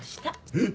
えっ！